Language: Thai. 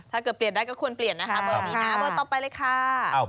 ถ้าเกิดเปลี่ยนได้ก็ควรเปลี่ยนนะคะเบอร์นี้นะเบอร์ต่อไปเลยค่ะ